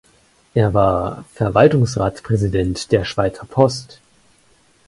Er war Verwaltungsratspräsident der Schweizer Post.